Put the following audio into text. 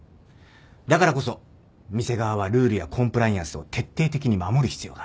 だからこそ店側はルールやコンプライアンスを徹底的に守る必要がある